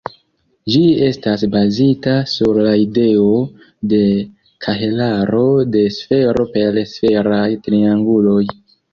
Ĝi estas bazita sur la ideo de kahelaro de sfero per sferaj trianguloj.